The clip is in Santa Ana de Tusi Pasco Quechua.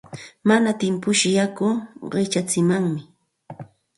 Mana timpushqa yaku qichatsimanmi.